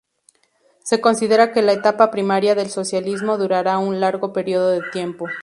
Se considera que la etapa primaria del socialismo durará un largo período de tiempo.